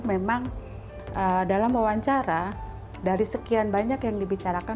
memang dalam wawancara dari sekian banyak yang dibicarakan